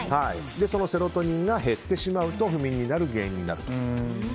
そのセロトニンが減ってしまうと不眠になる原因になると。